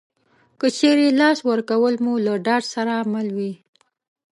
که چېرې لاس ورکول مو له ډاډ سره مل وي